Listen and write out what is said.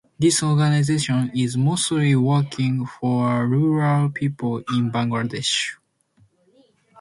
This organization is mostly working for the rural people in Bangladesh.